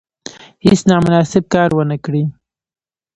هیڅ نامناسب کار ونه کړي.